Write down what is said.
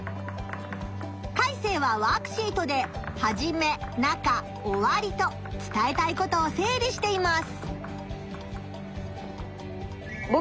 カイセイはワークシートではじめ中おわりと伝えたいことを整理しています。